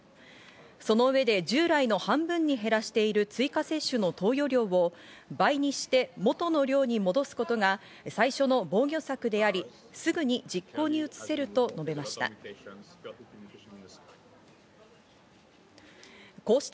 その上で従来の半分に減らしている追加接種の投与量を倍にして元の量に戻すことが最初の防御策であり、すぐに実行に移せると述べました。